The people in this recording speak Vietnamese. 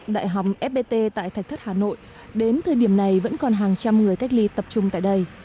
đại học fpt tại thạch thất hà nội đến thời điểm này vẫn còn hàng trăm người cách ly tập trung tại đây